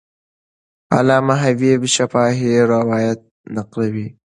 علامه حبیبي شفاهي روایت نقلوي.